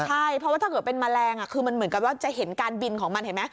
ใช่เพราะว่าถ้าเกิดเป็นแมลงคือมันเหมือนกับว่าจะเห็นการบินของมันเห็นไหม